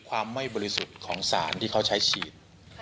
ความไม่บริสุทธิ์ของสารที่เขาใช้ฉีด